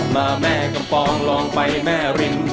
มาแม่กำฟองลองไปแม่ริม